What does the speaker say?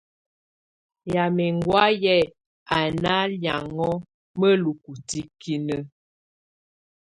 Ymɛ̀á ɛŋgɔ̀áyɛ á ná lɛ̀áŋɔ mǝ́lukǝ́ tikinǝ.